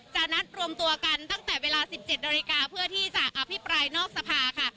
นัดรวมตัวกันตั้งแต่เวลา๑๗นาฬิกาเพื่อที่จะอภิปรายนอกสภาค่ะ